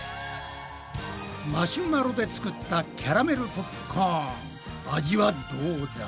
マシュマロで作ったキャラメルポップコーン味はどうだ？